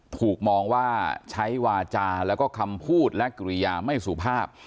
ถูกมองว่าใช้วาจาแล้วก็คำพูดและกิริยาไม่สุภาพ